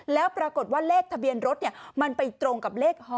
แล้วปรากฏว่าเลขทะเบียนรถมันไปตรงกับเลข๖